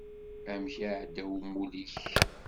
Amek iεedda umulli-k?